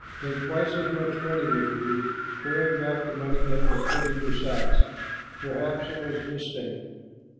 Take twice as much money with you, carrying back the money that was put in your sacks. Perhaps it was a mistake.